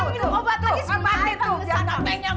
kamu minum obat yang banyak ya